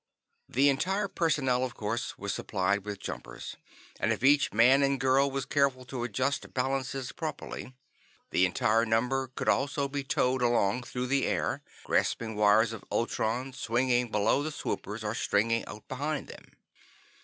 The entire personnel, of course, was supplied with jumpers, and if each man and girl was careful to adjust balances properly, the entire number could also be towed along through the air, grasping wires of ultron, swinging below the swoopers, or stringing out behind them.